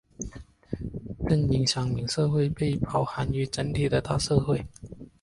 正因乡民社会被包含于整体的大社会。